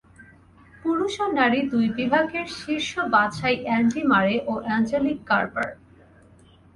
পুরুষ ও নারী দুই বিভাগের শীর্ষ বাছাই অ্যান্ডি মারে ও অ্যাঞ্জেলিক কারবার।